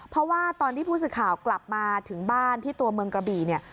เพราะว่าตอนที่ผู้สื่อข่าวกลับมาถึงบ้านที่ตัวเมืองกระบี่เนี่ย